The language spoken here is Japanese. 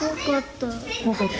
怖かった。